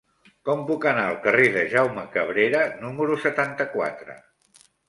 Com puc anar al carrer de Jaume Cabrera número setanta-quatre?